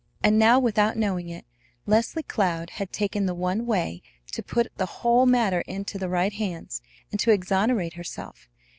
And now, without knowing it, Leslie Cloud had taken the one way to put the whole matter into the right hands and to exonerate herself.